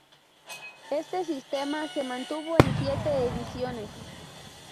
Este sistema se mantuvo en siete ediciones.